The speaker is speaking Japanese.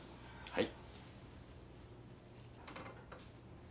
はい。